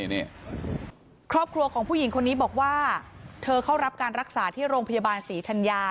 นี่ครอบครัวของผู้หญิงคนนี้บอกว่าเธอเข้ารับการรักษาที่โรงพยาบาลศรีธัญญา